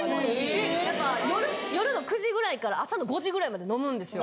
やっぱ夜の９時ぐらいから朝の５時ぐらいまで飲むんですよ